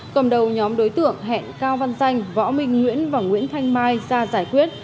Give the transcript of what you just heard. cầm đầu nhóm đối tượng hẹn cao văn danh võ minh nguyễn và nguyễn thanh mai ra giải quyết